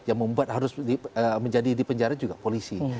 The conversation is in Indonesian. yang membuat harus menjadi dipenjara juga polisi